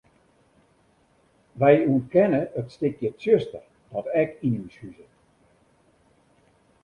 Wy ûntkenne it stikje tsjuster dat ek yn ús huzet.